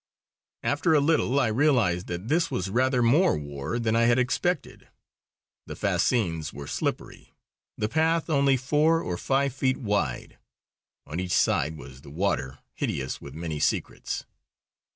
After a little I realised that this was rather more war than I had expected. The fascines were slippery; the path only four or five feet wide. On each side was the water, hideous with many secrets.